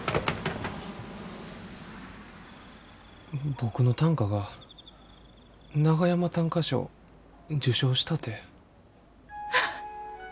僕の短歌が長山短歌賞受賞したて。